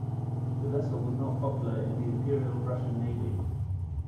The vessel was not popular in the Imperial Russian Navy.